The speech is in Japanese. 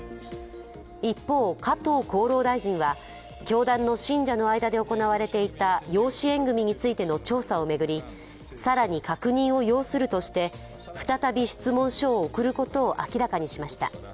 一方、加藤厚労大臣は教団の信者の間で行われていた養子縁組についての調査を巡り更に確認を要するとして再び質問書を送ることを明らかにしました。